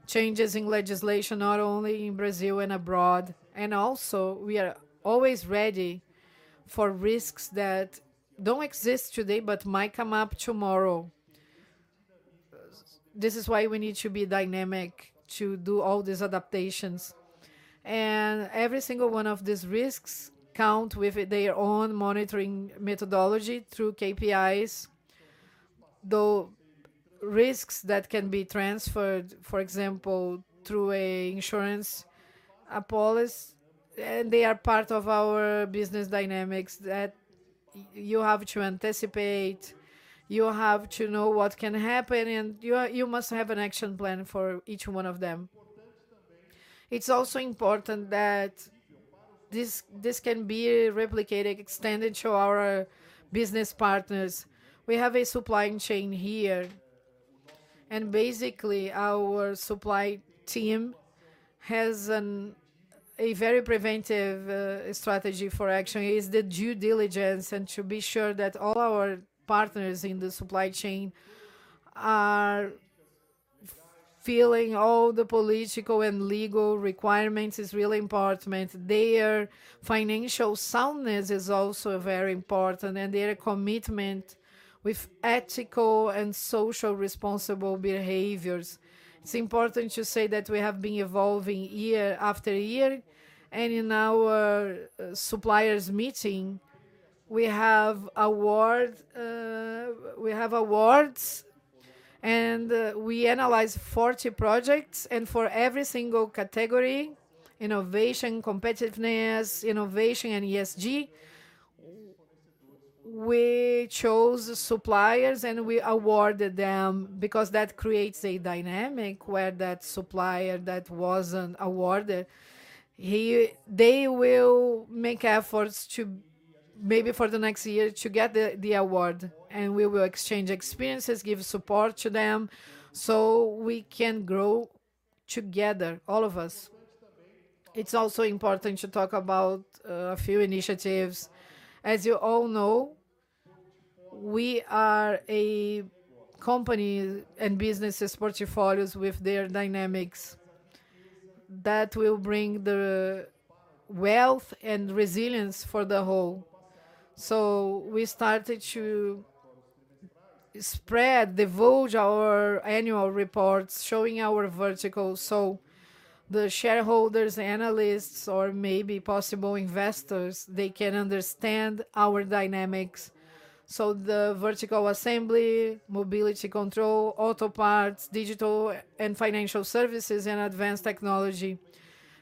changes in legislation, not only in Brazil and abroad. Also, we are always ready for risks that don't exist today but might come up tomorrow. This is why we need to be dynamic to do all these adaptations. Every single one of these risks count with their own monitoring methodology through KPIs. Though risks that can be transferred, for example, through a insurance policy, they are part of our business dynamics that you have to anticipate, you have to know what can happen, and you must have an action plan for each one of them. It's also important that this can be replicated, extended to our business partners. We have a supplying chain here. Basically our supply team has a very preventive strategy for action. It is the due diligence and to be sure that all our partners in the supply chain are filling all the political and legal requirements is really important. Their financial soundness is also very important and their commitment with ethical and social responsible behaviors. It's important to say that we have been evolving year after year and in our suppliers meeting, we have awards, and we analyze 40 projects and for every single category, innovation, competitiveness, innovation and ESG, we chose suppliers, and we awarded them because that creates a dynamic where that supplier that wasn't awarded, they will make efforts to maybe for the next year to get the award, and we will exchange experiences, give support to them, so we can grow together, all of us. It's also important to talk about a few initiatives. As you all know, we are a company and businesses portfolios with their dynamics that will bring the wealth and resilience for the whole. We started to spread, divulge our annual reports showing our verticals, so the shareholders, analysts or maybe possible investors, they can understand our dynamics. The vertical assembly, mobility control, auto parts, digital and financial services and advanced technology,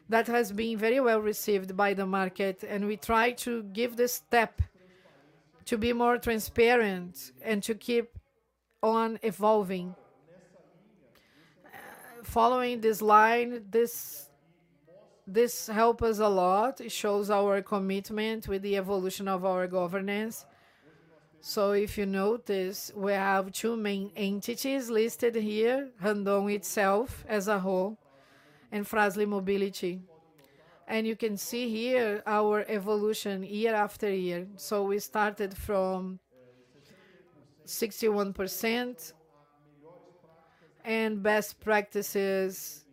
that has been very well received by the market and we try to give the step to be more transparent and to keep on evolving. Following this line, this help us a lot. It shows our commitment with the evolution of our governance. If you notice, we have two main entities listed here, Randon itself as a whole and Frasle Mobility. You can see here our evolution year after year. We started from 61% and best practices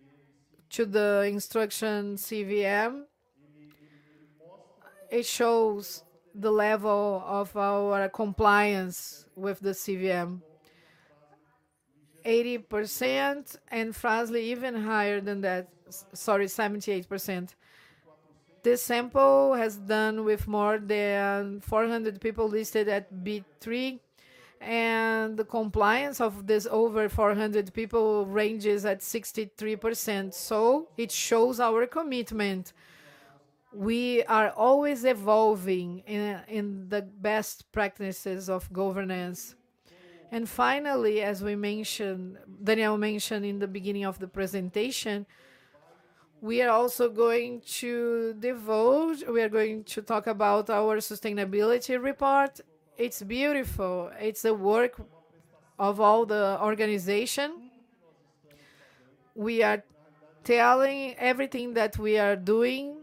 to the instruction CVM. It shows the level of our compliance with the CVM, 80% and Fras-le even higher than that, 78%. This sample has done with more than 400 people listed at B3, the compliance of this over 400 people ranges at 63%. It shows our commitment. We are always evolving in the best practices of governance. Finally, as Daniel mentioned in the beginning of the presentation, we are also going to talk about our sustainability report. It's beautiful. It's a work of all the organization. We are telling everything that we are doing.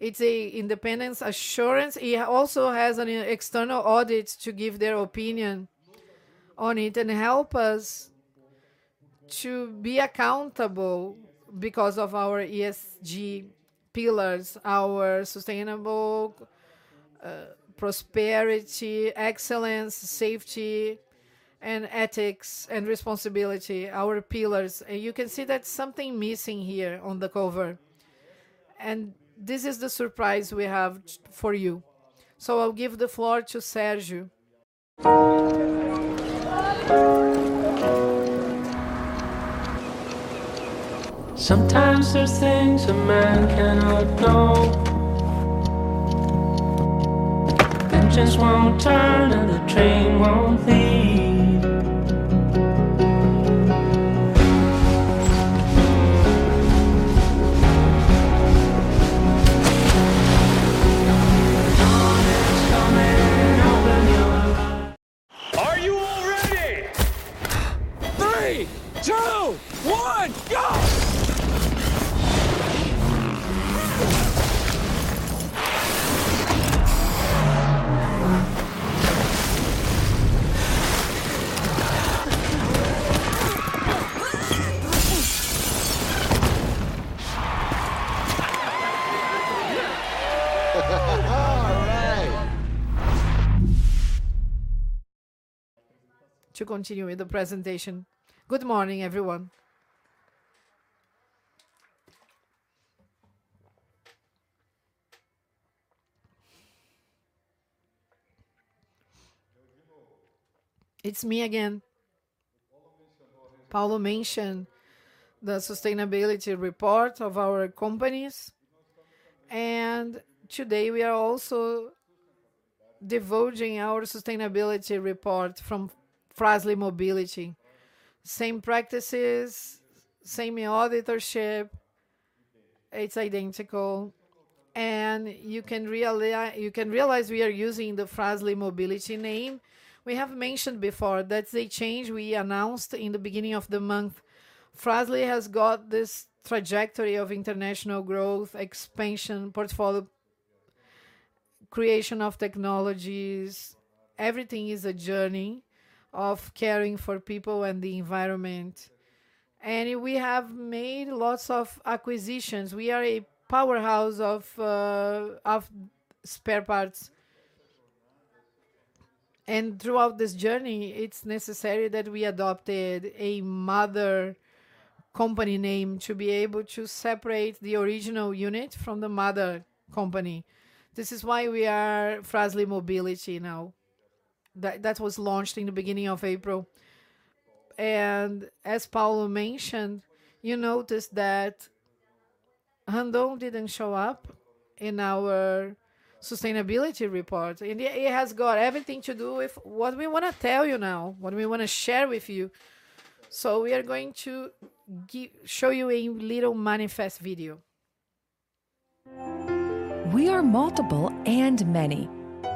It's a independence assurance. It also has an external audit to give their opinion on it and help us to be accountable because of our ESG pillars, our sustainable prosperity, excellence, safety, and ethics, and responsibility, our pillars. You can see that something missing here on the cover, and this is the surprise we have for you. I'll give the floor to Sergio. To continue with the presentation. Good morning, everyone. It's me again. Paulo mentioned the sustainability report of our companies, and today we are also divulging our sustainability report from Frasle Mobility. Same practices, same auditorship. It's identical. You can realize we are using the Frasle Mobility name. We have mentioned before that's a change we announced in the beginning of the month. Fras-le has got this trajectory of international growth, expansion, portfolio, creation of technologies. Everything is a journey of caring for people and the environment. We have made lots of acquisitions. We are a powerhouse of spare parts. Throughout this journey, it's necessary that we adopted a mother company name to be able to separate the original unit from the mother company. This is why we are Frasle Mobility now. That was launched in the beginning of April. As Paulo mentioned, you noticed that Randon didn't show up in our sustainability report. It has got everything to do with what we wanna tell you now, what we wanna share with you. We are going to show you a little manifest video. We are multiple and many.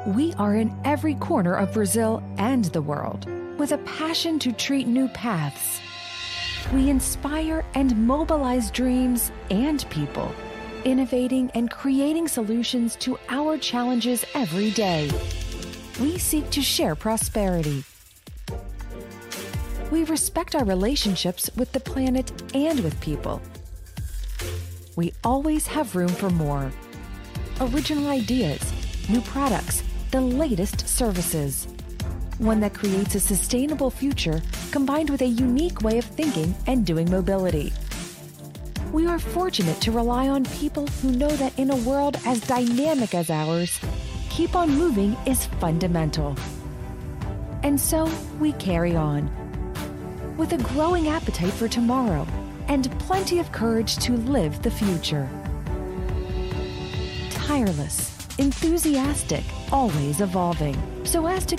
We are in every corner of Brazil and the world with a passion to treat new paths. We inspire and mobilize dreams and people, innovating and creating solutions to our challenges every day. We seek to share prosperity. We respect our relationships with the planet and with people. We always have room for more. Original ideas, new products, the latest services, one that creates a sustainable future combined with a unique way of thinking and doing mobility. We are fortunate to rely on people who know that in a world as dynamic as ours, keep on moving is fundamental. We carry on with a growing appetite for tomorrow and plenty of courage to live the future. Tireless, enthusiastic, always evolving, so as to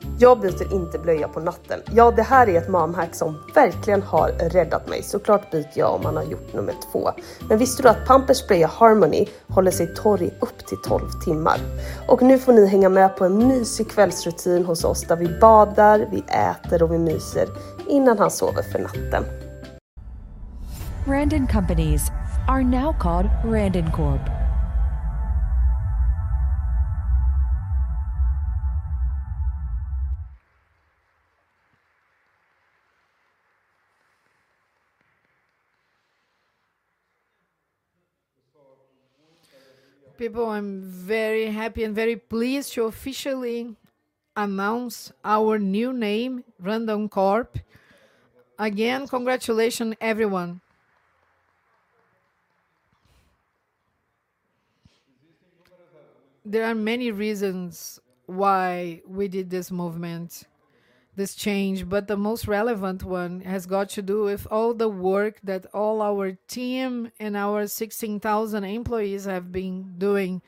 connect people and riches, thus generating prosperity. Randon Companies are now called Randoncorp. People, I'm very happy and very pleased to officially announce our new name, Randoncorp. Congratulations, everyone. There are many reasons why we did this movement, this change, but the most relevant one has got to do with all the work that all our team and our 16,000 employees have been doing.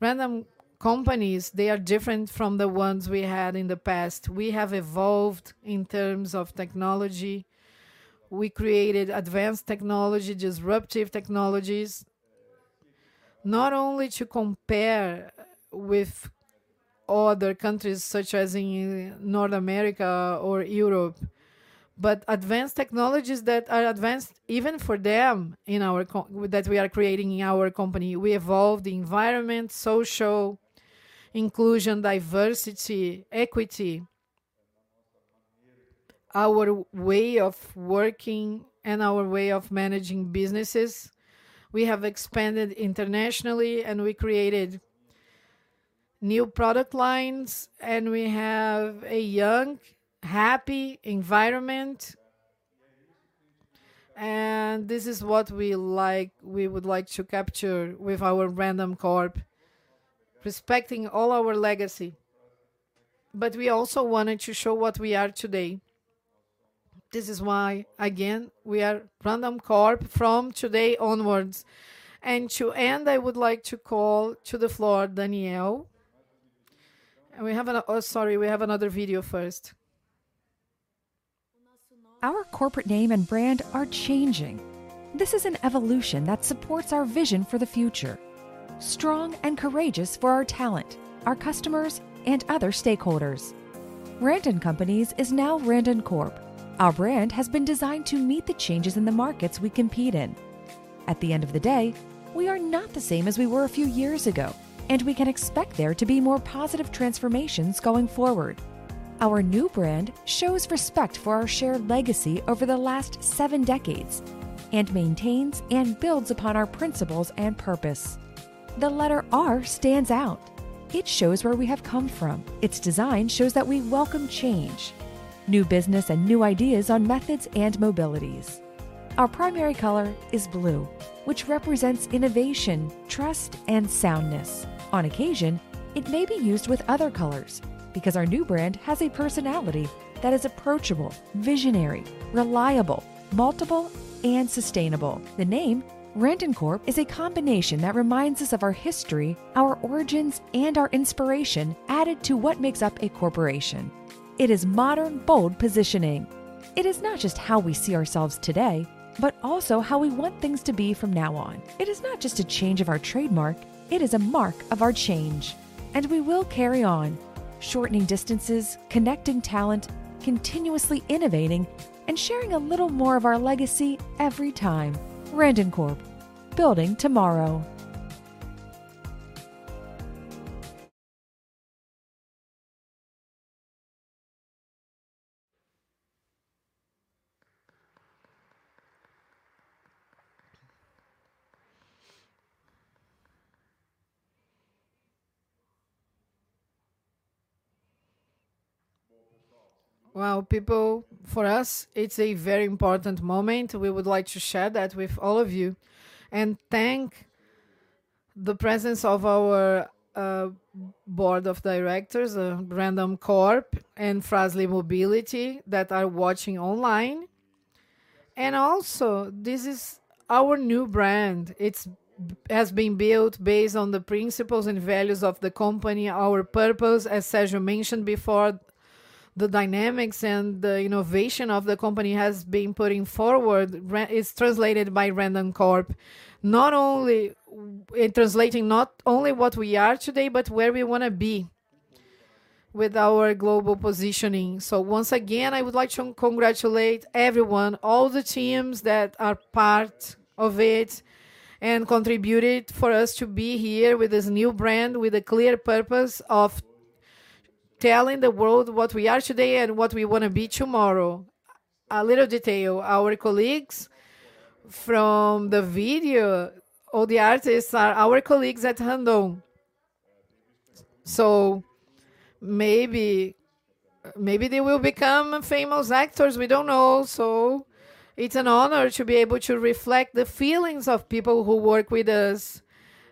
Randon Companies, they are different from the ones we had in the past. We have evolved in terms of technology. We created advanced technology, disruptive technologies, not only to compare with other countries such as in North America or Europe, but advanced technologies that are advanced even for them that we are creating in our company. We evolved the environment, social inclusion, diversity, equity, our way of working and our way of managing businesses. We have expanded internationally, and we created new product lines, and we have a young, happy environment. This is what we would like to capture with our Randoncorp, respecting all our legacy. We also wanted to show what we are today. This is why, again, we are Randoncorp from today onwards. To end, I would like to call to the floor Daniel. Oh, sorry, we have another video first. Our corporate name and brand are changing. This is an evolution that supports our vision for the future. Strong and courageous for our talent, our customers, and other stakeholders. Randon Companies is now Randoncorp. Our brand has been designed to meet the changes in the markets we compete in. At the end of the day, we are not the same as we were a few years ago, and we can expect there to be more positive transformations going forward. Our new brand shows respect for our shared legacy over the last seven decades and maintains and builds upon our principles and purpose. The letter R stands out. It shows where we have come from. Its design shows that we welcome change, new business, and new ideas on methods and mobilities. Our primary color is blue, which represents innovation, trust, and soundness. On occasion, it may be used with other colors because our new brand has a personality that is approachable, visionary, reliable, multiple, and sustainable. The name Randoncorp is a combination that reminds us of our history, our origins, and our inspiration added to what makes up a corporation. It is modern, bold positioning. It is not just how we see ourselves today, but also how we want things to be from now on. It is not just a change of our trademark, it is a mark of our change, and we will carry on shortening distances, connecting talent, continuously innovating, and sharing a little more of our legacy every time. Randoncorp., building tomorrow. Well, people, for us, it's a very important moment. We would like to share that with all of you and thank the presence of our board of directors of Randoncorp and Frasle Mobility that are watching online. Also, this is our new brand. It's has been built based on the principles and values of the company. Our purpose, as Sérgio mentioned before, the dynamics and the innovation of the company has been putting forward It's translated by Randoncorp, not only In translating not only what we are today, but where we wanna be with our global positioning. Once again, I would like to congratulate everyone, all the teams that are part of it and contributed for us to be here with this new brand, with a clear purpose of telling the world what we are today and what we wanna be tomorrow. A little detail, our colleagues from the video, all the artists are our colleagues at Randon. Maybe they will become famous actors, we don't know. It's an honor to be able to reflect the feelings of people who work with us.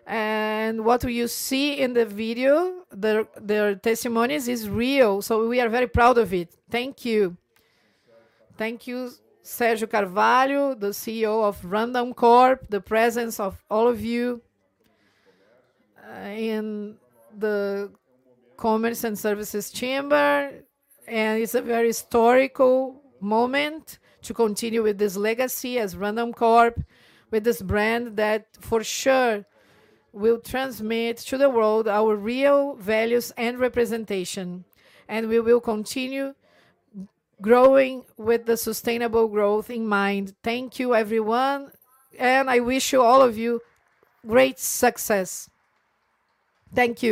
What you see in the video, their testimonies is real, we are very proud of it. Thank you. Thank you, Sérgio Carvalho, the CEO of Randoncorp, the presence of all of you in the Commerce and Services Chamber. It's a very historical moment to continue with this legacy as Randoncorp with this brand that for sure will transmit to the world our real values and representation, and we will continue growing with the sustainable growth in mind. Thank you, everyone, and I wish you, all of you, great success. Thank you.